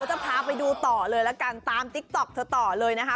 จะพาไปดูต่อเลยละกันตามติ๊กต๊อกเธอต่อเลยนะคะ